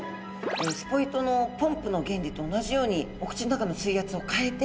スポイトのポンプの原理と同じようにお口の中の水圧を変えて吸い込んでるようです。